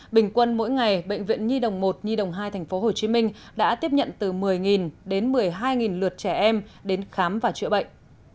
bình quân mỗi ngày bệnh viện nhi đồng một nhi đồng hai tp hcm đã tiếp nhận từ một mươi đến một mươi hai lượt trẻ em đến khám và chữa bệnh